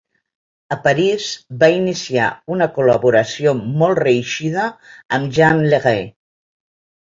A París va iniciar una col·laboració molt reeixida amb Jean Leray.